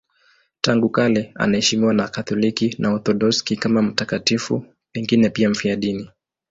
Tangu kale anaheshimiwa na Wakatoliki na Waorthodoksi kama mtakatifu, pengine pia mfiadini.